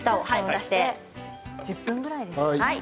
１０分ぐらいですか？